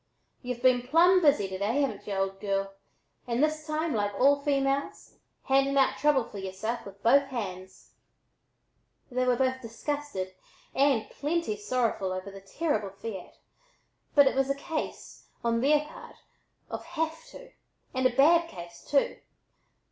y'u've been plumb busy to day, hav'n't y'u, old girl, and this time, like all females, handing out trouble for yereself with both hands." They were both disgusted and "plenty sorrowful" over the terrible fiat, but it was a case, on their part, of "have to," and a bad case, too.